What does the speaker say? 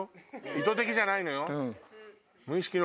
意図的じゃないのよ。